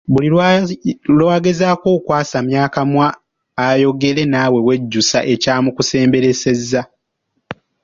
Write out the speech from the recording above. Buli lwagezaako okwasamya akamwa ayogere naawe wejjusa ekyamukusemberesezza.